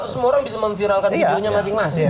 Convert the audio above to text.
semua orang bisa memviralkan videonya masing masing